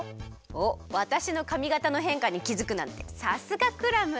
おっわたしのかみがたのへんかにきづくなんてさすがクラム！